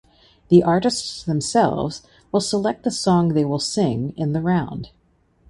The artists themselves will select the song they will sing in the round.